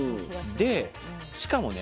でしかもね